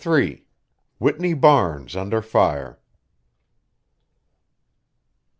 WHITNEY BARNES UNDER FIRE.